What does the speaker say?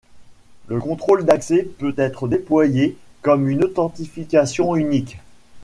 Le contrôle d'accès peut être déployé comme une authentification unique.